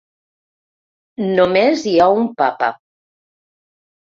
Només hi ha un papa